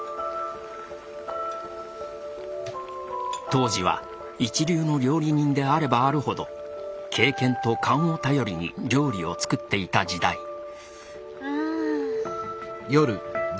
当時は一流の料理人であればあるほど経験と勘を頼りに料理を作っていた時代うん。